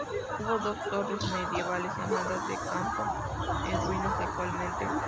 Hubo dos torres medievales, llamadas de Campo, en ruinas actualmente.